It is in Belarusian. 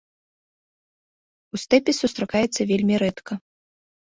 У стэпе сустракаецца вельмі рэдка.